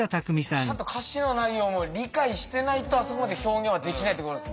ちゃんと歌詞の内容も理解してないとあそこまで表現はできないってことですもんね。